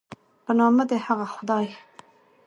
په نامه د هغه خدای